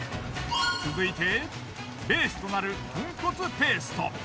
続いてベースとなる豚骨ペースト。